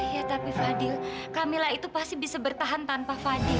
ya tapi fadl kamila itu pasti bisa bertahan tanpa fadl